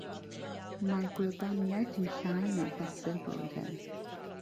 Mae gwlybaniaeth yn llai na fesul blwyddyn.